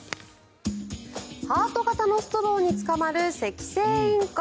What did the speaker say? ハート形のストローにつかまるセキセイインコ。